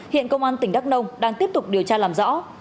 hiện công an tỉnh đắk nông đang tiếp tục điều tra làm rõ